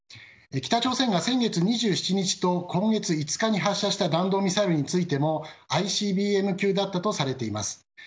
北朝鮮が先月２７日と今月５日に発射した弾道ミサイルについてもＩＣＢＭ級だったとされています。